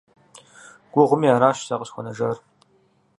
Гугъуми, аращ сэ къысхуэнэжар.